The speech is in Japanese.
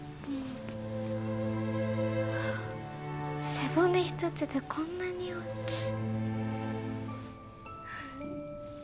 背骨一つでこんなに大きい。